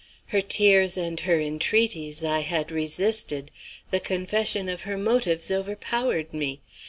Her tears and her entreaties I had resisted. The confession of her motives overpowered me.